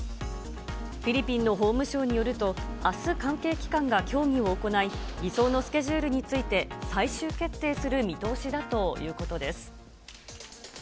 フィリピンの法務省によると、あす関係機関が協議を行い、移送のスケジュールについて最終決定する見通しだということです。